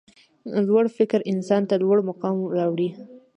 لوړ فکر انسان ته لوړ مقام راوړي.